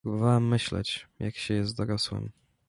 "Probowałem myśleć, jak się jest dorosłym."